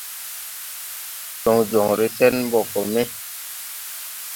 Jɔŋ jɔŋre sɛn mbɔ gɔ me.